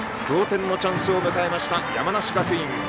同点のチャンスを迎えました山梨学院。